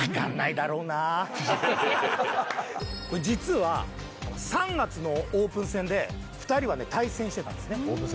これ実は３月のオープン戦で２人は対戦してたんですね。